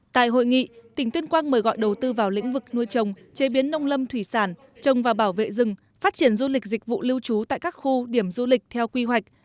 tại hội nghị tỉnh tuyên quang mời gọi đầu tư vào lĩnh vực nuôi trồng chế biến nông lâm thủy sản trồng và bảo vệ rừng phát triển du lịch dịch vụ lưu trú tại các khu điểm du lịch theo quy hoạch